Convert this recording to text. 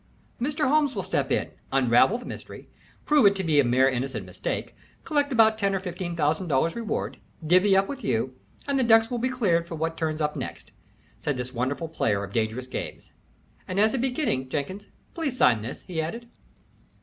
"Mr. Holmes will step in, unravel the mystery, prove it to be a mere innocent mistake, collect about ten or fifteen thousand dollars reward, divvy up with you, and the decks will be cleared for what turns up next," said this wonderful player of dangerous games. "And, as a beginning, Jenkins, please sign this," he added.